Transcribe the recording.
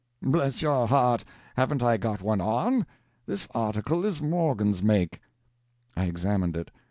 "Bless your heart, haven't I got one on? this article is Morgan's make." I examined it.